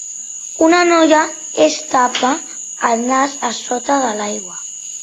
Una noia es tapa el nas a sota de l'aigua.